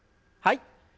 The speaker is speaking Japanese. はい。